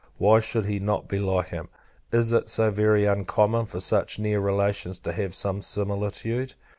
Why should he not be like him? Is it so very uncommon for such near relations to have some similitude?